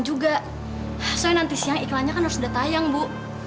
juga soalnya nanti siang iklannya kan harus udah tayang bu